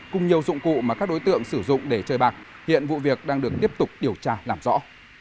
cùng nhiều dụng cụ mà các đối tượng sử dụng để chơi bạc hiện vụ việc đang được tiếp tục điều tra làm rõ